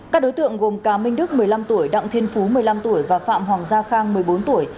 các đối tượng gồm cá minh đức một mươi năm tuổi đặng thiên phú một mươi năm tuổi và phạm hoàng gia khang một mươi bốn tuổi